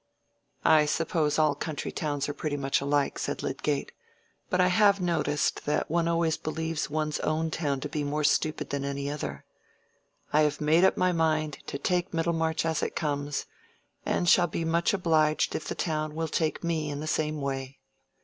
"I suppose all country towns are pretty much alike," said Lydgate. "But I have noticed that one always believes one's own town to be more stupid than any other. I have made up my mind to take Middlemarch as it comes, and shall be much obliged if the town will take me in the same way.